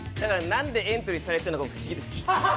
何でエントリーされてんのか不思議です。